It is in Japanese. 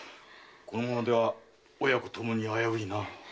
このままでは親子ともに危ういな。